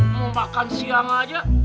mau makan siang aja